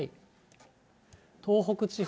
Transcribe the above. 東北地方。